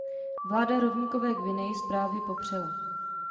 Vláda Rovníkové Guiney zprávy popřela.